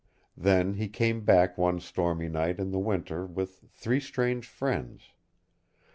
Then he came back one stormy night in the winter with three strange friends.